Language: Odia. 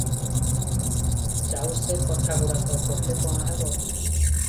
ଯାଉ ସେ କଥାଗୁଡ଼ାକ - କହିଲେ କଣ ହେବ?